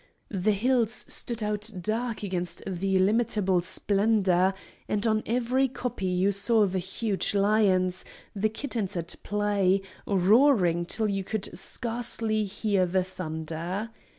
The hills stood out dark against the illimitable splendour, and on every koppie you saw the huge lions, like kittens at play, roaring till you could scarcely hear the thunder.